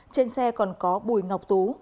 trên xe còn có bùi ngọc tú